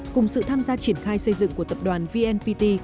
cùng sự tham gia triển khai xây dựng của tập đoàn vnpt